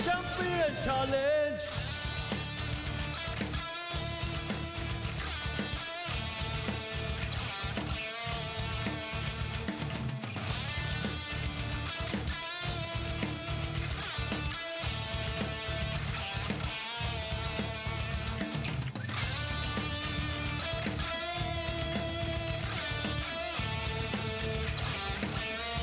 จังหวาดึงซ้ายตายังดีอยู่ครับเพชรมงคล